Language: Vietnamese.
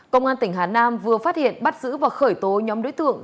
công an tỉnh hà nam vừa phát hiện bắt giữ và khởi tố nhóm đối tượng